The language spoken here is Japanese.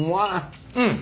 うん。